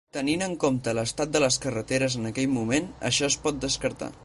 Tenint en compte l'estat de les carreteres en aquell moment, això es pot descartar.